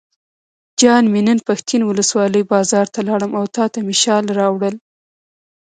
جان مې نن پښتین ولسوالۍ بازار ته لاړم او تاته مې شال راوړل.